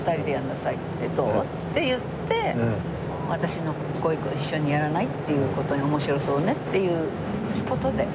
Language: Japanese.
「どう？」って言って「私の一緒にやらない？」っていう事に「面白そうね」っていう事で。